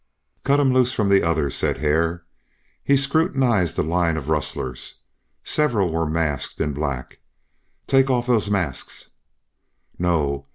"Cut him loose from the others," said Hare. He scrutinized the line of rustlers. Several were masked in black. "Take off those masks!" "No!